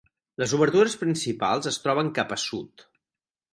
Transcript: Les obertures principals es troben cap a sud.